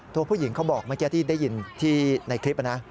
ตัวผู้หญิงเขาบอกเมื่อกี้ที่ได้ยินที่ในคลิปนะ